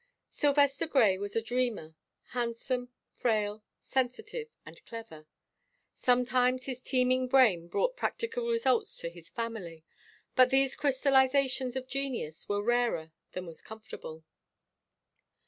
Sylvester Grey was a dreamer, handsome, frail, sensitive, and clever. Sometimes his teeming brain brought practical results to his family, but these crystallizations of genius were rarer than was comfortable.